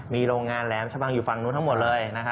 มีโรงงานแหลมชะบังอยู่ฝั่งนู้นทั้งหมดเลยนะฮะ